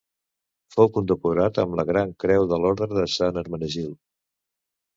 Fou condecorat amb la Gran Creu de l'Orde de Sant Hermenegild.